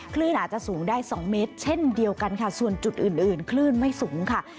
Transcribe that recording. คลื่นอาจจะสูงได้๒เมตรเช่นเดียวกันค่ะส่วนจุดอื่นอื่นคลื่นไม่สูงค่ะ